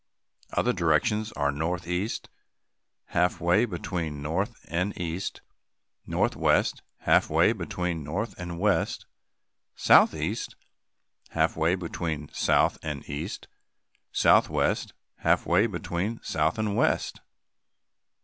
Other directions are northeast, halfway between north and east; northwest, halfway between north and west; southeast, halfway between south and east; and southwest, halfway between south and west.